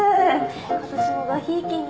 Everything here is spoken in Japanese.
今年もごひいきに。